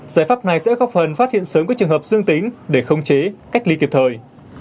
giải pháp này sẽ góp phần phát hiện sớm các trường hợp dương tính để khống chế cách ly kịp thời